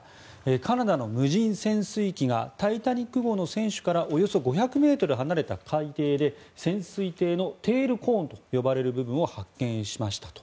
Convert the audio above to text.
カナダの無人潜水機が「タイタニック号」の船首からおよそ５００ｍ離れた海底で潜水艇のテールコーンと呼ばれる部分を発見しましたと。